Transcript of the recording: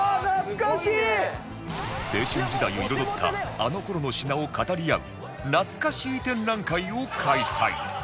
青春時代を彩ったあの頃の品を語り合うなつかしー展覧会を開催